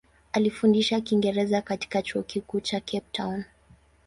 Alifundisha Kiingereza katika Chuo Kikuu cha Cape Town.